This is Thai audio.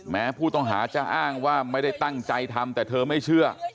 แม้ผู้ต้องหาจะอ้างว่าไม่ได้ตั้งใจทำแต่เธอไม่เชื่อ